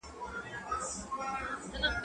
کېدای سي خبري ګڼه وي